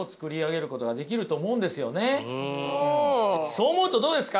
そう思うとどうですか？